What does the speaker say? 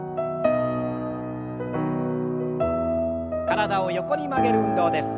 体を横に曲げる運動です。